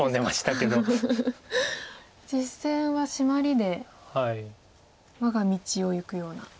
実戦はシマリで我が道をいくような。